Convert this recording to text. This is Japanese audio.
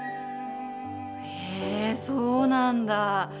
へえそうなんだ。